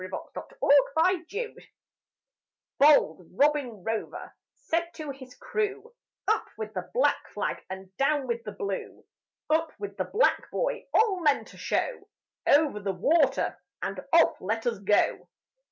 BOLD ROBIN ROVER Bold Robin Rover Said to his crew: "Up with the black flag And down with the blue! Up with the Black Boy! All men to show, Over the water And off let us go!"